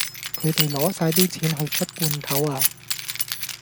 佢哋攞曬啲錢去出罐頭呀